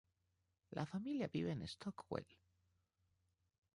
La familia vive en Stockwell.